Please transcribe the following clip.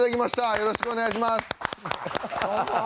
よろしくお願いします。